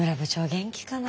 元気かな？